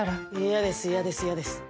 嫌です嫌です嫌です。